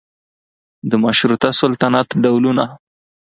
د مشروطه سلطنت ډولونه